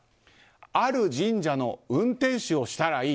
ある神社の運転手をしたらいい